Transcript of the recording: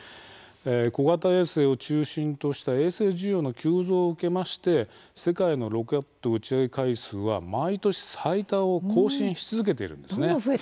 小型衛星を中心とした衛星需要の急増を受けまして世界のロケット打ち上げ回数は毎年最多を更新し続けているんですね。